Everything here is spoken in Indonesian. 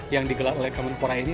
yang digelar oleh kemenpora ini